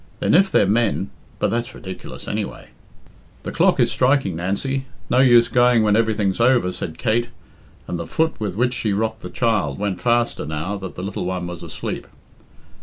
Then, if they're men but that's ridiculous, anyway." "The clock is striking, Nancy. No use going when everything's over," said Kate, and the foot with which she rocked the child went faster now that the little one was asleep.